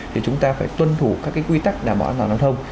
thì chúng ta phải tuân thủ các quy tắc đảm bảo an toàn giao thông